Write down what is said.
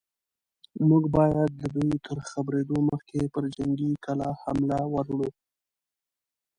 موږ بايد د دوی تر خبرېدو مخکې پر جنګي کلا حمله ور وړو.